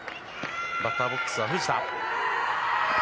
バッターボックスは藤田。